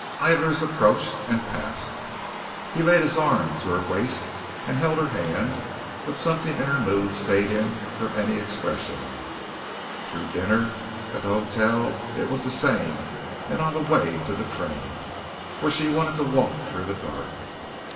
Idlers approached and passed. He laid his arm to her waist and held her hand, but something in her mood stayed him from any expression. Through dinner at the hotel it was the same and on the way to the train, for she wanted to walk through the dark.